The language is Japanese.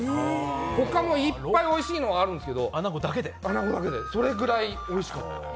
他のいっぱいおいしいのあるんですけど穴子だけで、それくらいおいしかったんです。